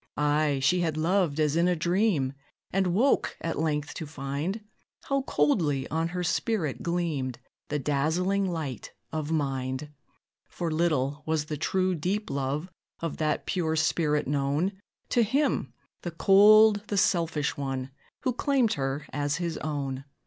Ay! she had loved as in a dream, And woke, at length, to find How coldly on her spirit gleamed The dazzling light of mind. For little was the true, deep love Of that pure spirit known To him, the cold, the selfish one, Who claimed her as his own.